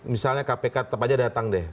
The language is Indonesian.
misalnya kpk tetap aja datang deh